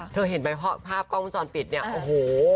เห็นไหมภาพกล้องวงจรปิดเนี่ยโอ้โห